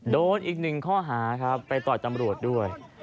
โดนอีกหนึ่งข้อหาครับไปต่อยตำรวจด้วย